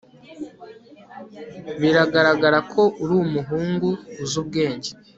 Biragaragara ko uri umuhungu uzi ubwenge